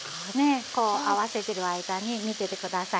合わせてる間に見てて下さい。